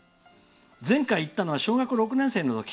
前回、行ったのは小学６年生のとき。